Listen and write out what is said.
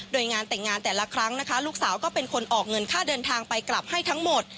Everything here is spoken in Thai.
โดยงานแต่งงานแต่ละครั้งนะคะลูกสาวก็เป็นคนออกเงินค่าเดินทางไปกลับให้ทั้งหมด